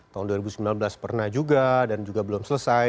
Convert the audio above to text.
tahun dua ribu sembilan belas pernah juga dan juga belum selesai